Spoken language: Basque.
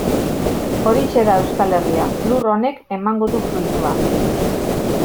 Horixe da Euskal Herria, lur honek emango du fruitua.